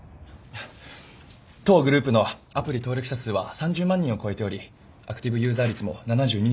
当グループのアプリ登録者数は３０万人を超えておりアクティブユーザー率も７２．４％と高く。